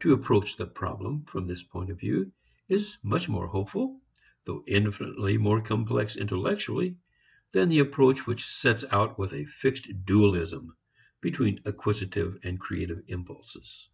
To approach the problem from this point of view is much more hopeful, though infinitely more complex intellectually, than the approach which sets out with a fixed dualism between acquisitive and creative impulses.